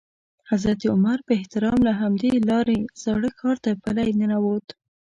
حضرت عمر په احترام له همدې لارې زاړه ښار ته پلی ننوت.